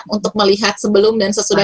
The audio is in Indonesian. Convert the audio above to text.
untuk melihat sebelum dan sesudah